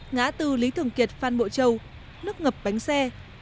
ngã tư lý thường kiệt phan bộ châu nước ngập bánh xe